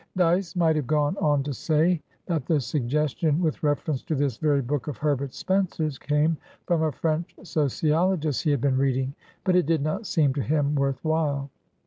Dyce might have gone on to say that the suggestion, with reference to this very book of Herbert Spencer's, came from a French sociologist he had been reading; but it did not seem to him worth while.